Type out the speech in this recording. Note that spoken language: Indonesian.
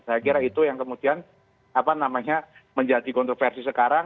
saya kira itu yang kemudian menjadi kontroversi sekarang